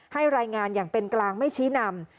ให้รายงานอย่างเป็นกลางไม่ชี้นำ